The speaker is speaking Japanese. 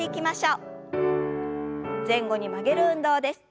前後に曲げる運動です。